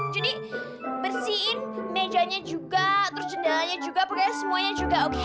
jadi bersihin mejanya juga jendelanya juga pokoknya semuanya juga oke